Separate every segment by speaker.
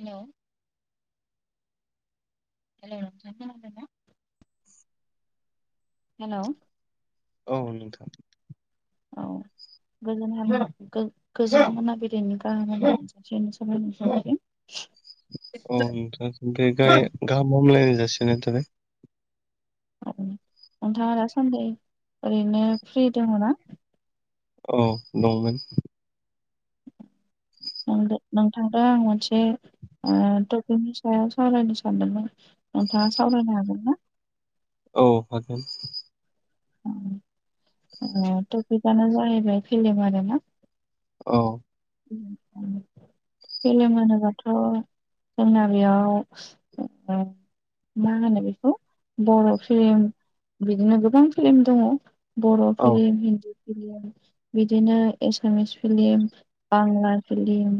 Speaker 1: हेल हेल नोंथां खोनादोंना।
Speaker 2: [unintelligible] [inaudible]
Speaker 1: हेल'
Speaker 2: औ नोंथां।
Speaker 1: औ गोजोन मोनाबिलि [unintelligible]
Speaker 2: अ नोंथांसिमबो गाय- गाहाम हामलायनाय जासि हरबाय।
Speaker 1: औ नोंथाङा दासान्दि ओरैनो फ्रि दङ ना।
Speaker 2: औ दंमोन।
Speaker 1: नोदों नोंथांदो आं मोनसे ओ ट पिकनि सायाव सावरायनो सानदोंमोन नोंथाङा सावरायनो हागोन ना?
Speaker 2: औ हागोन।
Speaker 1: अ टपिकयानो जाहैबाय फिलिम आरोना।
Speaker 2: औ
Speaker 1: उम उम फिलिम होनोबाथ' जोंना बेयाव ओ मा होनो बेखौ बर' फिलिम बिदिनो गोबां फिलिम दङ। बर'
Speaker 2: औ
Speaker 1: फिलिम हिन्दी फिलिम बिदिनो एसामिस फिलिम बांला फिलिम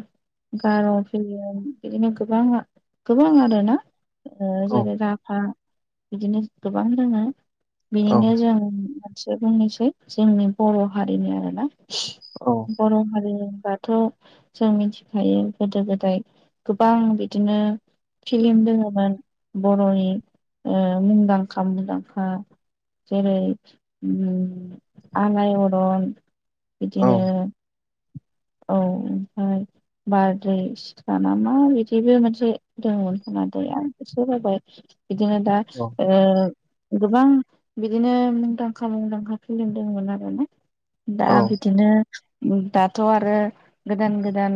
Speaker 1: गार' फिलिम बिदिनो गोबां गोबां आरोना। ओ
Speaker 2: औ
Speaker 1: जेरै राभा बिदिनो गोबां दोङो
Speaker 2: औ
Speaker 1: बिनिनो जों से बुंनोसै जोंनि बर' हारिनि आरोना
Speaker 2: औ
Speaker 1: बर'हारि थ जों मिथिखायो गोदो गोदाय गोबां बिदिनो फिलिम दोङोमोन बर'नि ओ मुंदांखा मुंदांखा। जेरै उम आलायअरन
Speaker 2: औ
Speaker 1: बिदिनो औ ओमफ्राय बारदै सिख्ला नामा बिदिबो मोनसे दङमोनखोमा दै आं एसे बावबाय। बिदिनो दा
Speaker 2: औ
Speaker 1: ओ। गोबां बिदिनो मुंदांखा मुंदांखा फिलिम दंमोन आरोना। दा
Speaker 2: औ
Speaker 1: बिदिनो दाथ' आरो गोदान गोदान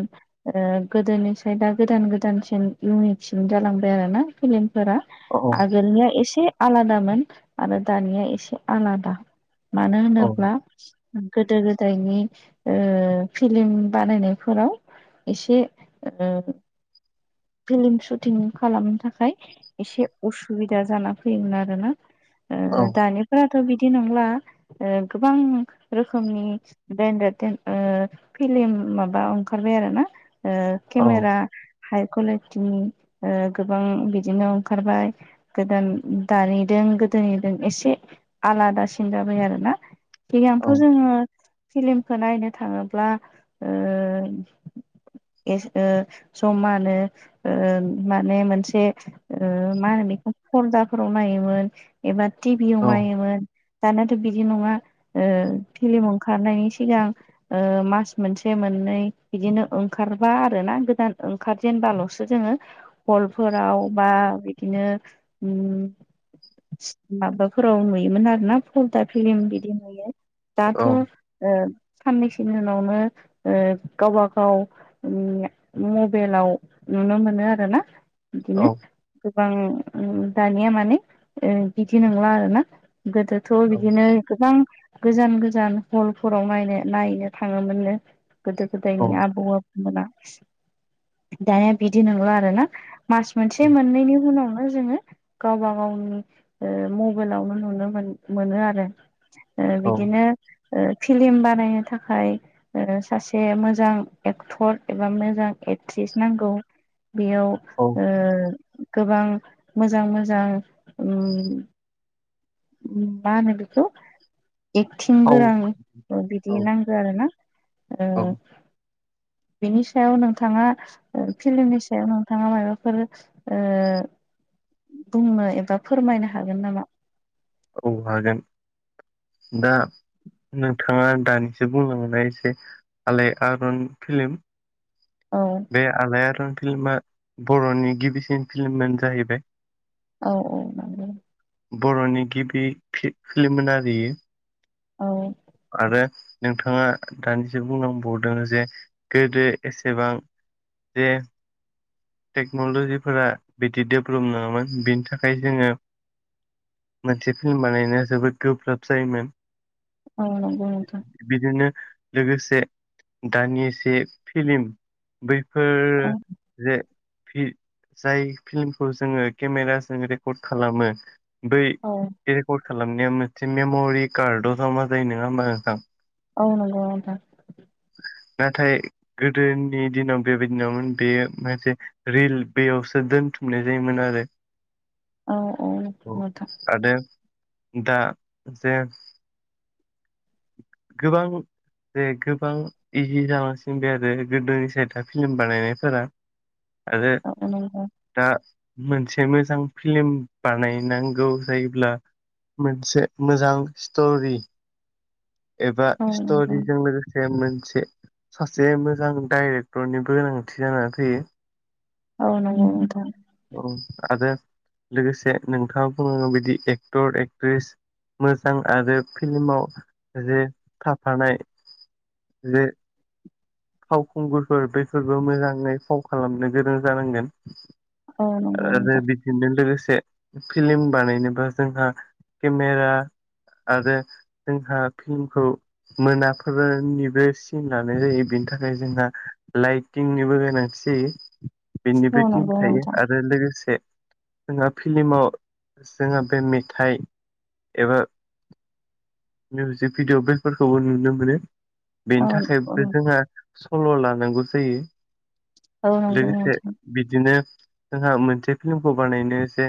Speaker 1: ओ गोदोनिसाय दा गोदान गोदानसिन इउनिकसिन जालांबाय आरो ना फिलिम फोरा
Speaker 2: औ
Speaker 1: आगोलनिया एसे आलादामोन आरो दानिया एसे आलादा मानो होनोब्ला गोदो गोदायनि ओ फिलिम बानायनायफोराव एसे ओ फिलिम सुटिं खालामनो थाखाय एसे उसुबिदा जाना फैयोमोन आरोना।
Speaker 2: औ
Speaker 1: ओ दानिफ्रा थ' बिदि नंला ओ गोबां रोखोमनि ब्रेडेत थेन ओ खै फिलिम माबा ओंखारबाय आरोना ओ
Speaker 2: औ
Speaker 1: केमेरा हाय कुवालिटिनि ओ गोबां बिदिनो ओंखारबाय गोदान दानिदों गोदोनिदों एसे आलादासिन जाबाय आरोना सिगाङावथ' जोङो फिलिमखौ नायनो थाङोब्ला ओ एस ओ जमानो ओ माने मोनसे ओ मा होनो बेखौ फरदाफोराव नायोमोन एबा टि भियाव नायोमोन। दानियाथ' बिदि नङा ओ फिलिम ओंखारनायनि सिगां ओ मास मोनसे मोन नै बिदिनो ओंखारबा आरोना गोदान ओंखारजेनबाल' सो जोङो हलफोराव बा बिदिनो ओ ओम माबाफोराव नुयोमोन आरो ना फरदा फिलिम बिदि नुयो।
Speaker 2: औ
Speaker 1: दाथ' ओ साननैसोनि उनावनो ओ गावबागाव ओम मबाइलाव नुनो मोनो आरोना
Speaker 2: औ
Speaker 1: बिदिनो। गोबां दानिया माने बिदि नंला आरोना गोदोथ' बिदिनो गोबां गोजान गोजान हलफोराव नायनो नायनो थाङोमोननो गोदो गोदायनि आबौ आबै मोना दानिया बिदि नंला आरो ना मास मोनसे मोननैनि उनावनो जोङो गावबा गावनि ओ मबाइलावनो नुनो मोन मोनो आरो ओ बिदिनो फिल्म बानायनो थाखाय ओ सासे मोजां एक्टर एबा मोजां एक्ट्रिस नांगौ बेयाव ओ गोबां मोजां मोजां उम मा होनो बेखौ एक्थिं गोरों बिदि नांगौ आरो ना ओ
Speaker 2: औ
Speaker 1: बिनि सायाव नोंथाङा फिल्मनि सायाव नोंथाङा माबाफोर ओ बुंनो एबा फोरमायनो हागोन नामा?
Speaker 2: औ हागोन दा नोंथाङा दानिसो बुंलांनाय जे आलायारन फिल्म
Speaker 1: औ
Speaker 2: बे आलायारन फिल्मा बर'नि गिबिसिन फिल्मानो जाहैबाय
Speaker 1: औ औ।
Speaker 2: बर'नि गिबि फिलिममोन आरो इयो
Speaker 1: औ
Speaker 2: आरो नोंथाङा दानिसो बुंलांबावदों जे गोदो एसेबां जे टेक्न'ल'जिफोरा बिदि डेभेलप नङामोन बिनि थाखाय जोङो मोनसे फिल्म बानायनाया जोबोद गोब्राब जायोमोन
Speaker 1: औ बुं नोंथां।
Speaker 2: बिदिनो लोगोसे दानि जे फिल्म बै। फोर
Speaker 1: औ
Speaker 2: जे फि जाय फिल्मखौ जोङो केमेराजों रेकर्ड खालामो बै
Speaker 1: औ
Speaker 2: रेकर्ड खालामनाया मोनसे मेम'रि कार्डआव जमा जायो नङा होमबा नोंथां?
Speaker 1: औ नंगौ नोंथां।
Speaker 2: नाथाय गोदो नि दिनाव बेबायदि नङामोन बे मोनसे रिल बेयावसो दोनथुमनाय जायोमोन आरो।
Speaker 1: औ औ नोंथां
Speaker 2: आरो दा जे गोबां जे गोबां इजि जालांसिनबाय आरो गोदोनि साइदआ फिल्म बानायनायफोरा आरो
Speaker 1: औ नंगौ
Speaker 2: दा मोनसे मो मोजां फिल्म बानायनांगौ जायोब्ला मोनसे मोजां स्ट'रि एबा
Speaker 1: औ नंगौ
Speaker 2: स्ट'रिजों लोगोसे मोनसे सासे मोजां डाइरेक्टरनि गोनांथि जानानै फैयो।
Speaker 1: औ नंगौ नोंथां।
Speaker 2: औ आरो लोगोसे नोंथाङा बुंनांगौ बिदि एक्टर एक्ट्रिस मोजां आरो फिल्माव जे थाफानाय। जे फावखुंगुरफोर बेफोरबो मोजाङै फाव खालामनो गोरों जानांगोन।
Speaker 1: औ नंगौ
Speaker 2: आरो
Speaker 1: नोंथां
Speaker 2: बिदिजों लोगोसे फिल्म बानायनोबा जोंहा केमेरा आरो जोंहा फिल्मखौ मोना फोरनिबो सिन लानाय जायो बेनि थाखाय जोंहा लाइटिंनिबो गोनांथि जि बेनिबो
Speaker 1: औ
Speaker 2: टिम
Speaker 1: नंगौ
Speaker 2: थायो।
Speaker 1: नोंथां
Speaker 2: आरो लोगोसे जोंहा फिल्माव जोंहा बे मेथाइ एबा मिउजिक भिडियअ बेफोरखौबो नुनो मोनो बेनि
Speaker 1: औ
Speaker 2: थाखायबो जोंहा सल' लानांगौ जायो
Speaker 1: औ नंगौ
Speaker 2: लोगोसे
Speaker 1: नोंथां
Speaker 2: बिदिनो जोंहा मोनसे फिल्मखौ बानायनो जे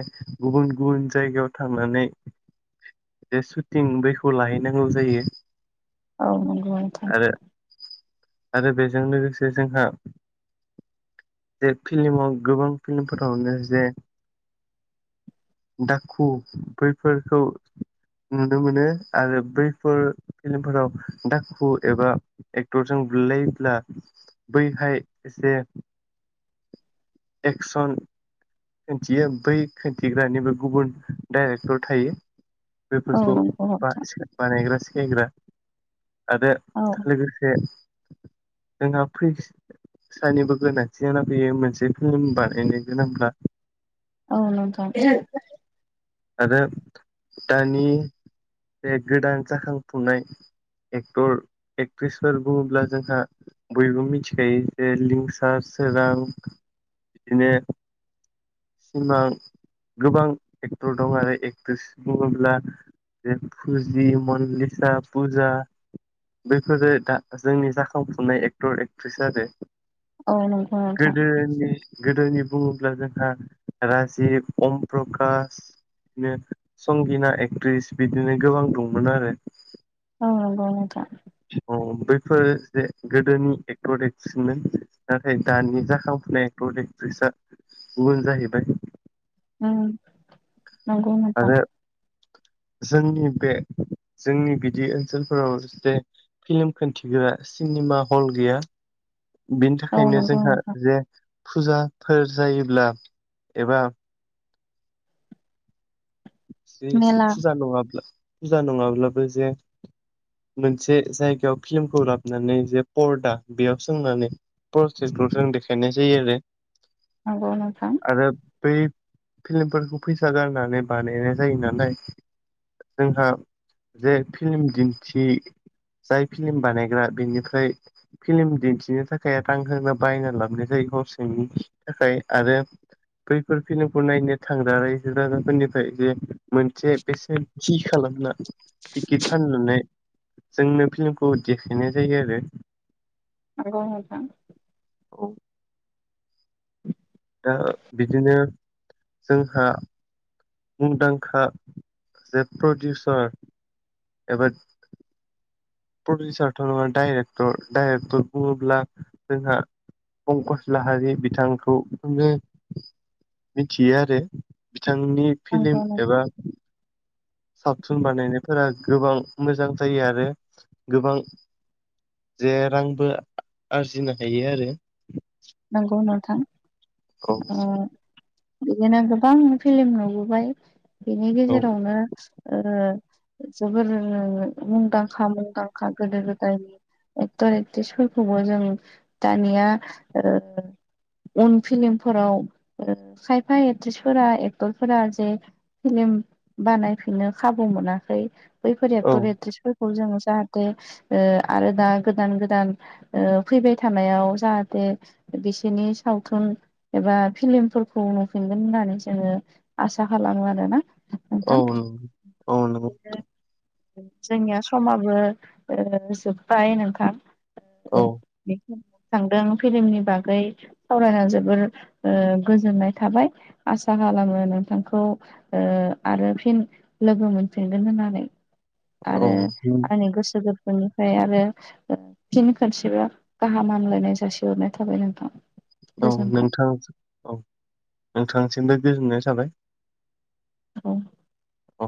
Speaker 2: गुबुन गुबुन जायगायाव थांनानै बे सुटिं बैखौ लाहैनांगौ जायो
Speaker 1: औ नंगौ नोंथां
Speaker 2: आरो आरो बेजों लोगोसे जोंहा जे फिल्माव गोबां फिन फोरावनो जे दाखु बैफोरखौ नुनो मोनो आरो बैफोर फिल्मफोराव दाखुु एबा एक्टरजों बुलायोब्ला बैहाय जे
Speaker 1: [inaudible]
Speaker 2: एक्सन खिन्थियो बै खिन्थिग्रानिबो गुबुन डाइरेक्टर थायो
Speaker 1: औ
Speaker 2: बेफोरखौ
Speaker 1: नंगौ
Speaker 2: बा
Speaker 1: नोंथां
Speaker 2: बानायग्रा सिखायग्रा आरो
Speaker 1: औ
Speaker 2: लोगोसे जोंहा फैसानिबो गोनांथि जाना फैयो मोनसे हम फिल्म बानायनो गोनांब्ला
Speaker 1: औ नोंथां
Speaker 2: आरो दानि बे गोदान जाखांफुनाय एक्टर एक्ट्रिसफोर बुङोब्ला जोंहा बयबो मिथिखायो जे लिंसार सोरां बिदिनो सिमां गोबां एक्टर दं आरो एक्ट्रिस बुङोब्ला जे फुजि मनालिसाा पुजा बैफोरो दा जोंनि जाखांफुनाय एक्टर एक्ट्रिस आरो
Speaker 1: औ नंगौ नोंथां
Speaker 2: गोदोनि गोदोनि बुङोब्ला जोंहा राजिब अम प्रकास बिदिनो संगिना एक्ट्रिस बिदिनो गोबां दंमोन आरो
Speaker 1: औ नंगौ नोंथां
Speaker 2: औ बैफोर जे गोदोनि एक्टर एक्सनमोन नाथाय दानि जाखां एक्टर एक्ट्रिसआ गुबुन जाहैबाय
Speaker 1: उम नंगौ नोंथां
Speaker 2: आरो जोंनि बे जोंनि बिदि ओनसोलफोराव जे फिल्म खिन्थिग्रा सिनेमा हल गैया बिनि
Speaker 1: औ
Speaker 2: थाखायनो
Speaker 1: नंगौ
Speaker 2: जोंहा
Speaker 1: नोंथां
Speaker 2: जे फुजाफोर जायोब्ला एबा जे
Speaker 1: मेला
Speaker 2: फुजा नङाब्ला फुजा नङाब्लाबो जे मोनसे जायगायाव फिल्मखौ लाबोनानै जे पर्दा बेयाव सोंनानै प्रसेसखौ जों देखायनाय जायो आरो
Speaker 1: नंगौ नोंथां
Speaker 2: आरो बै फिल्मफोरखौ फैसा गारनानै बानायनाय जायो नालाय जोंहा जे फिल्म दिन्थि जाय फिल्म बानायग्रा बेनिफ्राय फिल्म दिन्थिनो थाखाय रां होनो बायना लाबोनाय जायो गावनि थाखाय आरो बैफोर फिल्मखौ नायनो थांग्रा रायजो राजाफोरनि जे मोनसे बेसेन थ खालामना टिकेट फाननानै जोंनो फिल्मखौ देखायनाय जायो आरो
Speaker 1: औथ
Speaker 2: औ दा बिदिनो जोंहा मुंदांखा जे प्रडिउसार एबा प्रडिउसार थ' नङा डाइरेक्टर डाइरेक्टर बुङोब्ला जोंहा पंकस लाहारि बिथांखौ जनो मिथियो आरो बिथांनि फिल्म
Speaker 1: नंगौ नोंथां
Speaker 2: एबा सावथुन बानायनायफोरा गोबां मोजां जायो आरो गोबां जे रांबो आरजिनो हायो आरो
Speaker 1: नंगौ नावथां।
Speaker 2: औ!
Speaker 1: बिदिनो गोबां फिलम नुबोबाय बिनि गेजेरावनो जोबोर मुंदांखा मुंदांखा गोदो गोदायनि एक्टर एक्ट्रिसफोरखौबो जों दानिया उन फिलमफोराव खायफा एक्ट्रिसफोरा एक्टरफोरा जे फिलिम बानायफिननो खाबु मोनाखै
Speaker 2: औ
Speaker 1: बैफोरयाथ' एट्रिसफोर खौ जों जाहाथे आरो दा गोदान गोदान फैबाय थानायाव जाहाथे बिसोरनि सावथुन एबा फिल्मफोरखौ नुफिनगोन होननानै जोङो आसा ला न आरो ना।
Speaker 2: औनो औनो।
Speaker 1: जोंनिया समाबो जोब्बाय नोंखां
Speaker 2: औ
Speaker 1: थांदों। फिलमनि बागै सावरायना जोबोर गोजोननाय थाबाय। आसा खालामो नों नोंथखौ आरो फिन लोगो मोनफिनगोन होननानै आरो
Speaker 2: औ
Speaker 1: आंनि गोसो गोरबो बेनिफ्राय आरो फिन खोनसेब गाहामामलायनाय जासिग दरनाय थाबाय नोंथां।
Speaker 2: औ
Speaker 1: गोजोन्थों
Speaker 2: नोंथां औ नोंथांसिमबो गोजोननाय जाबाय।
Speaker 1: औ।
Speaker 2: औ।